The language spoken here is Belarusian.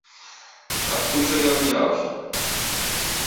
Адкуль жа ён узяўся?